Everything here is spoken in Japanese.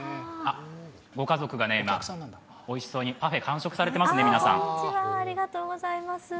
ご家族がおいしそうにパフェを完食されていますね、皆さん。